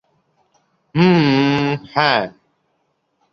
হুম, হ্যাঁ।